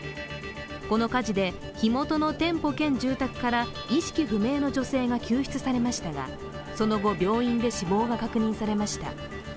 この火事で、火元の店舗兼住宅から意識不明の女性が救出されましたが、その後、病院で死亡が確認されました。